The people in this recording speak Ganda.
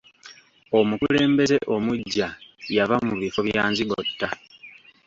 Omukulembeze omuggya yava mu bifo bya nzigotta.